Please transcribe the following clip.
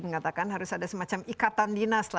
mengatakan harus ada semacam ikatan dinas lah